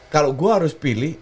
kalau gue harus pilih